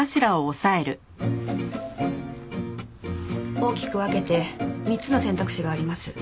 大きく分けて３つの選択肢があります。